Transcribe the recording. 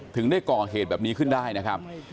ถึงได้ก่อเหตุแบบนี้ขึ้นได้นะครับ